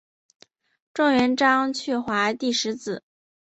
状元张去华第十子。